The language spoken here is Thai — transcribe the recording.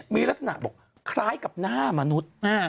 มีลักษณะบอกคล้ายกับหน้ามนุษย์